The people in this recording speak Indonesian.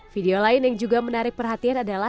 video lain yang juga menarik perhatian adalah